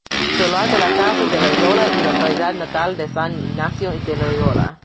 Solar de la Casa de Loyola y localidad natal de San Ignacio de Loyola.